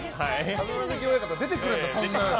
東関親方出てくれるんだそんなの。